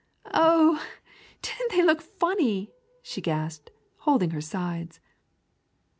"Oh! didn't they look funny?" she gasped, holding her sides.